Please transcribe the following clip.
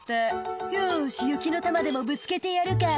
「よし雪の玉でもぶつけてやるか」